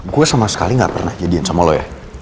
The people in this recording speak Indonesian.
gue sama sekali gak pernah jadiin sama lo ya